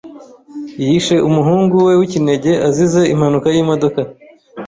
Yishe umuhungu we w'ikinege azize impanuka y'imodoka.